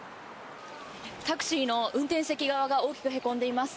タクシーの運転席側が大きくへこんでいます。